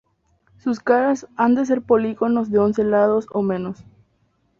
Sus caras han de ser polígonos de once lados o menos.